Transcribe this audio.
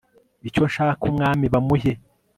icyo nshaka umwami bamuhe